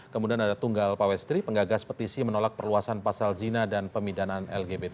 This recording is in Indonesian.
kemudian ada tunggal pawestri penggagas petisi menolak perluasan pasal zina dan pemidanaan lgbt